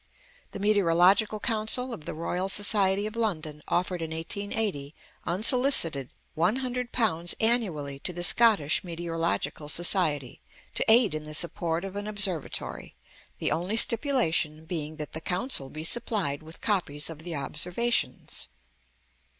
The Meteorological Council of the Royal Society of London offered in 1880, unsolicited, £100 annually to the Scottish Meteorological Society, to aid in the support of an Observatory, the only stipulation being that the Council be supplied with copies of the observations.